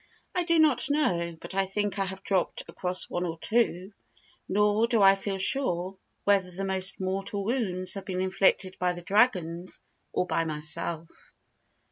I do not know, but I think I have dropped across one or two, nor do I feel sure whether the most mortal wounds have been inflicted by the dragons or by myself.